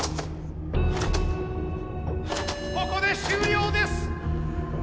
ここで終了です。